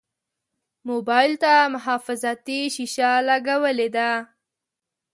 موبایل ته محافظتي شیشه لګولې ده.